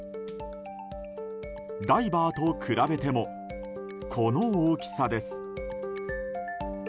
ダイバーと比べてもこの大きさです。